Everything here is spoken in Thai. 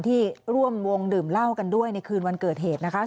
ที่ร่วมวงดื่มเหล้ากันด้วยในคืนวันเกิดเหตุนะคะ